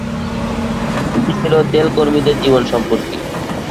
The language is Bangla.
এটি ছিল তেল কর্মীদের জীবন সম্পর্কে।